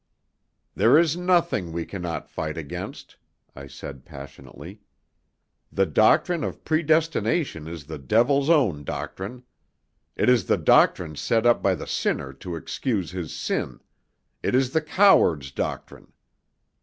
"There is nothing we cannot fight against," I said passionately. "The doctrine of predestination is the devil's own doctrine. It is the doctrine set up by the sinner to excuse his sin; it is the coward's doctrine.